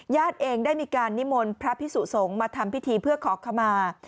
เองได้มีการนิมนต์พระพิสุสงฆ์มาทำพิธีเพื่อขอขมา